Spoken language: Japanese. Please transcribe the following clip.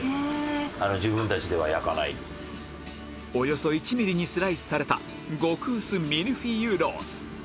およそ１ミリにスライスされた極薄ミルフィーユロース